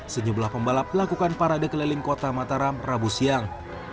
senyumlah pembalap melakukan parade kelelim kota mataram rabu siang